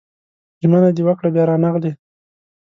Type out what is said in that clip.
ژمنه دې وکړه بيا رانغلې